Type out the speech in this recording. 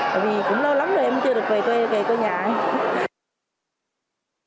bởi vì cũng lâu lắm rồi em chưa được về quê về quê nhà anh